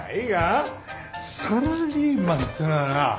サラリーマンってのはな